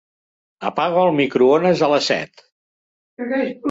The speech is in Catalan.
Apaga el microones a les set.